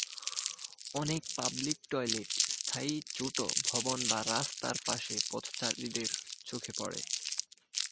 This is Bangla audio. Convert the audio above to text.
অনেক পাবলিক টয়লেট স্থায়ী ছোট ভবন যা রাস্তার পাশে পথচারীদের চোখে পড়ে।